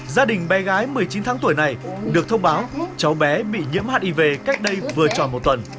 gia đình bé gái một mươi chín tháng tuổi này được thông báo cháu bé bị nhiễm hiv cách đây vừa tròn một tuần